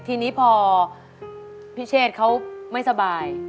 ทีนี้พอพี่เชษเขาไม่สบาย